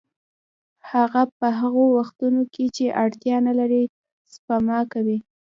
هغه په هغو وختونو کې چې اړتیا نلري سپما کوي